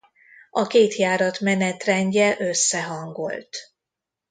A két járat menetrendje összehangolt.